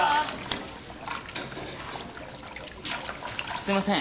すみません。